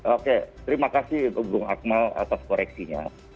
oke terima kasih bung akmal atas koreksinya